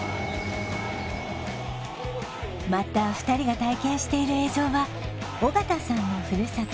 また２人が体験している映像は尾形さんのふるさと